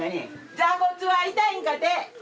「座骨は痛いんか？」